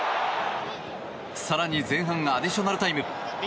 更に前半アディショナルタイム。